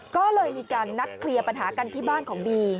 ก็เลยมีการนัดเคลียร์ปัญหากันที่บ้านของบี